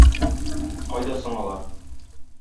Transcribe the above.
Кайда соң алар?